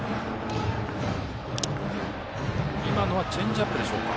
今のはチェンジアップでしょうか。